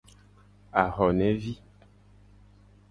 Ahonevi.